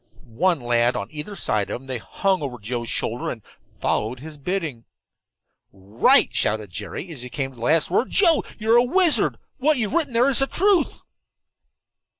One lad on either side of him, they hung over Joe's shoulder and followed his bidding. "Right!" shouted Jerry, as he came to the last word. "Joe, you're a wizard, and what you've written there is the truth."